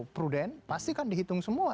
prudent pasti kan dihitung semua